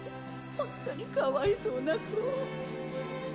ほんとにかわいそうな子。